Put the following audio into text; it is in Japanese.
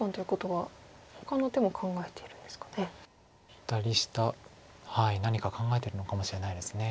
左下何か考えてるのかもしれないです。